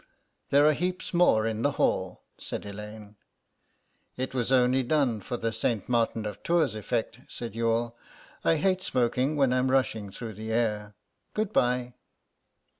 "There are heaps more in the hall," said Elaine. "It was only done for the Saint Martin of Tours effect," said Youghal; "I hate smoking when I'm rushing through the air. Good bye."